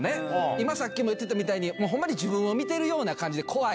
今さっきも言ってたみたいに、ほんまに自分を見てるみたいで怖い。